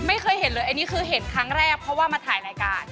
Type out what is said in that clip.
ไม่เคยเห็นเลยอันนี้คือเห็นครั้งแรกเพราะว่ามาถ่ายรายการ